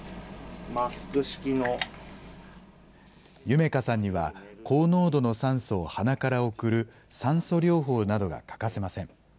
ゆめ佳さんには、高濃度の酸素を鼻から送る酸素療法などが欠かせません。